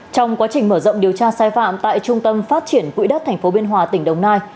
trong quá trình mở rộng điều tra sai phạm tại trung tâm phát triển quỹ đất tp biên hòa tỉnh đồng nai